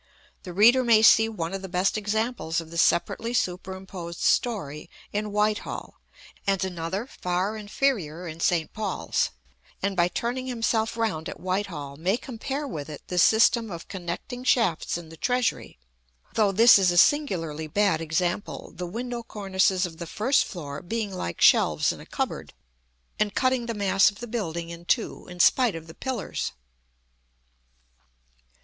The reader may see one of the best examples of the separately superimposed story in Whitehall (and another far inferior in St. Paul's), and by turning himself round at Whitehall may compare with it the system of connecting shafts in the Treasury; though this is a singularly bad example, the window cornices of the first floor being like shelves in a cupboard, and cutting the mass of the building in two, in spite of the pillars.